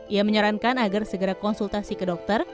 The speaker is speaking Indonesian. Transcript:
ia menyarankan agar segera konsultasi ke dokter